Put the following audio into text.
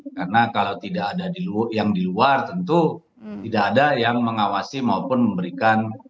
karena kalau tidak ada yang di luar tentu tidak ada yang mengawasi maupun memberikan